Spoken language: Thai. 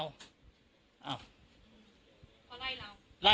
เขาไล่เหล้า